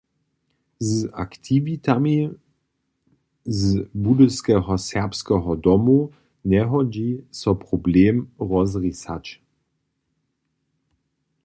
Z aktiwitami z Budyskeho Serbskeho domu njehodźi so problem rozrisać.